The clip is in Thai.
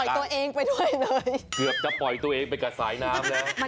เกือบจะปล่อยตัวเองไปกะสายน้ำแล้ว